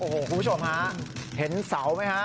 คุณผู้ชมฮะเห็นเสาไหมฮะ